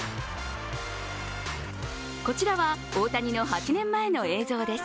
こちらは、大谷の８年前の映像です。